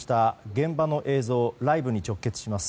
現場の映像ライブに直結します。